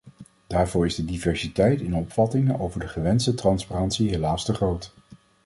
Daarvoor is de diversiteit in opvattingen over de gewenste transparantie helaas te groot.